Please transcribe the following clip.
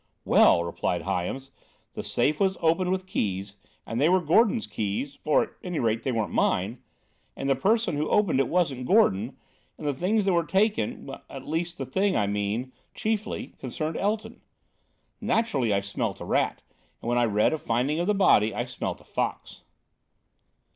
"Well," replied Hyams, "the safe was opened with keys, and they were Gordon's keys—or at any rate, they weren't mine—and the person who opened it wasn't Gordon; and the things that were taken—at least the thing, I mean—chiefly concerned Elton. Naturally I smelt a rat; and when I read of the finding of the body, I smelt a fox."